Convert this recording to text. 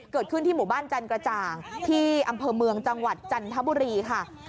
เกิดขึ้นที่หมู่บ้านจันกระจ่างที่อำเภอเมืองจังหวัดจันทบุรีค่ะ